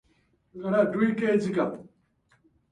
バイエルン自由州の州都はミュンヘンである